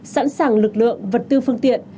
sẵn sàng lực lượng vật tư phương tiện